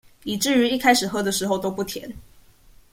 以至於一開始喝的時候都不甜